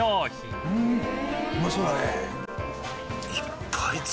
「うまそうだね」